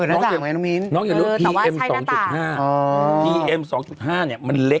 ถึงมาแล้วมีนอายมาก็เหมือนเฮ้ย